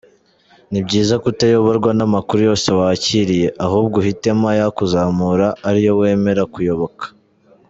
Ni byiza kutayoborwa n’amakuru yose wakiriye, ahubwo uhitemo ayakuzamura ariyo wemerera kuyoboka.